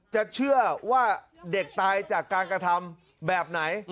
จะเชื่อว่าเด็กตายจากการกระทำแบบไหน